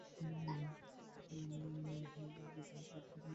জোড়হাত করিয়া কহিল, প্রভু, আমার একটা কথা শোনো।